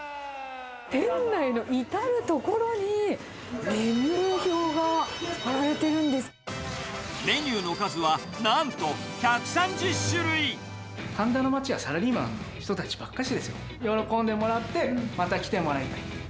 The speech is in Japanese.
店内の至る所に、メニューの数はなんと１３０神田の街はサラリーマンの人たちばっかしですので、喜んでもらって、また来てもらいたい。